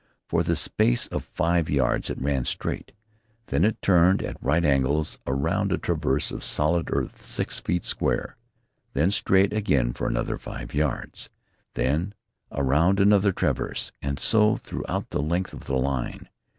For the space of five yards it ran straight, then it turned at right angles around a traverse of solid earth six feet square, then straight again for another five yards, then around another traverse, and so throughout the length of the line.